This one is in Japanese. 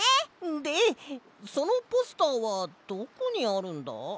でそのポスターはどこにあるんだ？